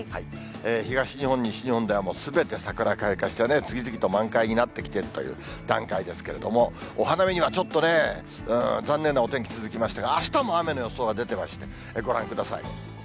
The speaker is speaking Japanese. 東日本、西日本では、もうすべて桜開花してね、次々と満開になってきているという段階ですけれども、お花見にはちょっとね、残念なお天気続きましたが、あしたも雨の予想が出てまして、ご覧ください。